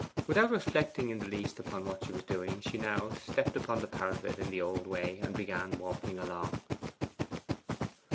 Without reflecting in the least upon what she was doing she now stepped upon the parapet in the old way, and began walking along.